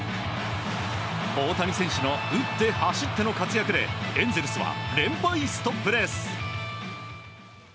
大谷選手の打って走っての活躍でエンゼルスは連敗ストップです。